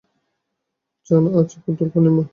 জান না আজ দোলপূর্ণিমা?